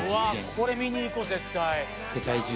これ見に行こう